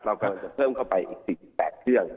เรากำลังจะเพิ่มเข้าไปอีก๔๘เครื่อง